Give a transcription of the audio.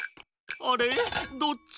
あれどっち？